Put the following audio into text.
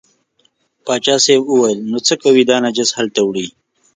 پاچا صاحب وویل نو څه کوې دا نجس هلته وړې.